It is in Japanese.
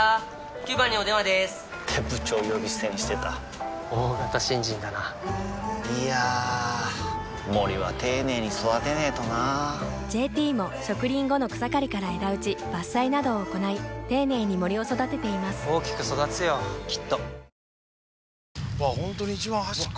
９番にお電話でーす！って部長呼び捨てにしてた大型新人だないやー森は丁寧に育てないとな「ＪＴ」も植林後の草刈りから枝打ち伐採などを行い丁寧に森を育てています大きく育つよきっとあ１人なんだ。